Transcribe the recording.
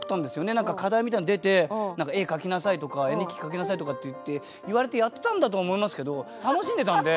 何か課題みたいなの出て何か絵描きなさいとか絵日記描きなさいとかっていって言われてやったんだとは思いますけど。